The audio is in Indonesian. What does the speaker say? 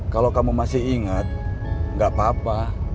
kalau kamu masih ingat nggak apa apa